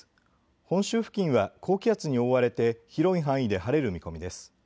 本州付近は高気圧に覆われて広い範囲で晴れる見込みです。